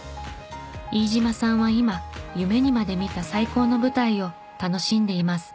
飯島さんは今夢にまで見た最高の舞台を楽しんでいます。